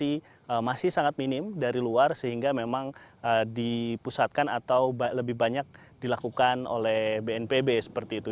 ini masih sangat minim dari luar sehingga memang dipusatkan atau lebih banyak dilakukan oleh bnpb seperti itu